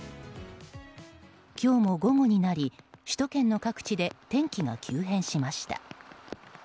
今日も午後になり首都圏の各地で天気が急変しました。